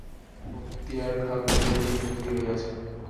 মুক্তিয়ার খাঁ কহিল, তিনি বন্দী হইয়াছেন।